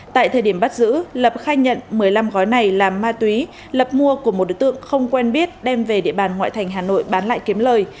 tại thời điểm bắt giữ lập khai nhận một mươi năm gói này là ma túy lập mua của một đối tượng không quen biết đem về địa bàn ngoại thành hà nội bán lại kiếm lời